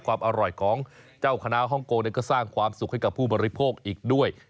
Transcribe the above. ความอร่อยของเจ้าคณะฮ่องกงก็สร้างความสุขให้กับผู้บริโภคอีกด้วย